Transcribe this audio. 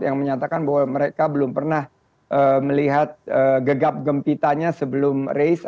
yang menyatakan bahwa mereka belum pernah melihat gegap gempitanya sebelum race